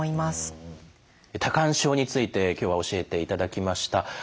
多汗症について今日は教えていただきました。